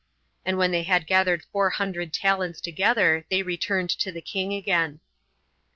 And when they had gathered four hundred talents together, they returned to the king again. 5.